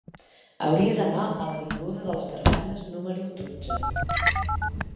Hauria d'anar a l'avinguda de les Drassanes número dotze.